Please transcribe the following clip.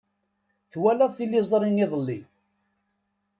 Twalaḍ tiliẓri iḍelli.